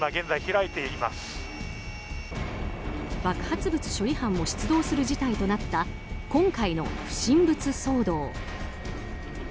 爆発物処理班も出動する事態となった今回の不審物騒動。